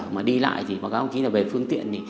mà đi lại thì báo cáo không chí là về phương tiện